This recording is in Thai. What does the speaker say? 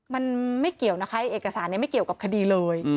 มันไม่เกี่ยวนะคะเอกสารนี้ไม่เกี่ยวกับคดีเลย